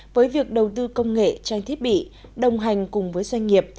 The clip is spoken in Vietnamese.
với việc đầu tư công nghệ trang thiết bị đồng hành cùng với doanh nghiệp